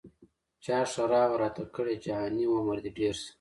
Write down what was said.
چا ښرا وه راته کړې جهاني عمر دي ډېر سه